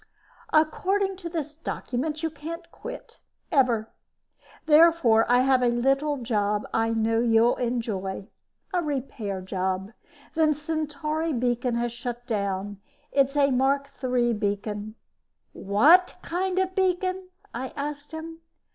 "According to this document, you can't quit. Ever. Therefore I have a little job I know you'll enjoy. Repair job. The Centauri beacon has shut down. It's a Mark III beacon...." "What kind of beacon?" I asked him.